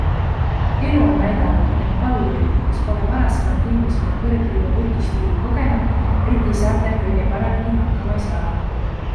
Elu on näidanud, et pallurid, kes pole varasemalt Inglismaa kõrgliiga vutistiili kogenud, Briti saartel kõige paremini hakkama ei saa.